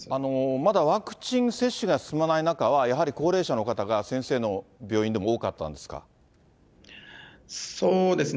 まだワクチン接種が進まない中は、やはり高齢者の方は先生の病院でも多かったんですか？